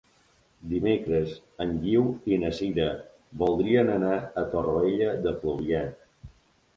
Dimecres en Guiu i na Sira voldrien anar a Torroella de Fluvià.